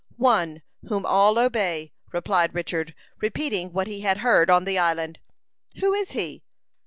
"One, whom all obey," replied Richard, repeating what he had heard on the island. "Who is he?"